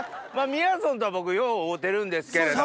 みやぞんとは僕よう会うてるんですけれども。